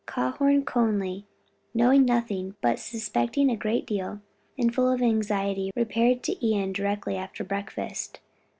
Calhoun Conly, knowing nothing, but suspecting a great deal, and full of anxiety, repaired to Ion directly after breakfast.